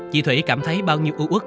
chị thủy cảm thấy bao nhiêu ưu ước